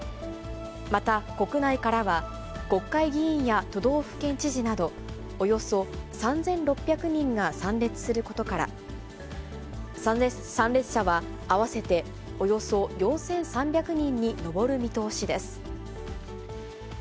また国内からは、国会議員や都道府県知事など、およそ３６００人が参列することから、参列者は合わせておよそ４３００人に上る見通しです。